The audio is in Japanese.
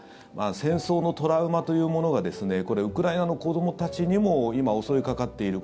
戦争のトラウマというものがウクライナの子どもたちにも今、襲いかかっている。